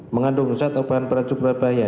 mengandung zat atau beracun berbahaya